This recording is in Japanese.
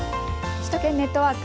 首都圏ネットワーク。